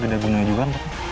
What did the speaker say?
ada gunanya juga nando